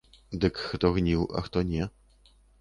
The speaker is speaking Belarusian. Дык хто гніў, а хто не.